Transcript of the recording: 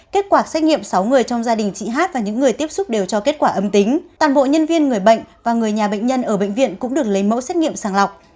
kết quả xét nghiệm sáu người trong gia đình chị hát và những người tiếp xúc đều cho kết quả âm tính toàn bộ nhân viên người bệnh và người nhà bệnh nhân ở bệnh viện cũng được lấy mẫu xét nghiệm sàng lọc